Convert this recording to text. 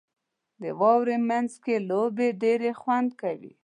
• د واورې مینځ کې لوبې ډېرې خوند کوي.